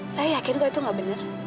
saya yakin gue itu gak bener